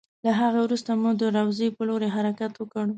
له هغې وروسته مو د روضې په لور حرکت وکړ.